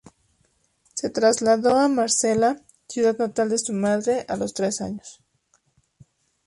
Se trasladó a Marsella, ciudad natal de su madre, a los tres años.